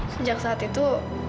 sejak saat itu